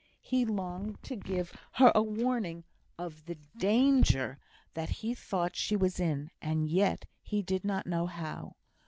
He longed to give her a warning of the danger that he thought she was in, and yet he did not know how.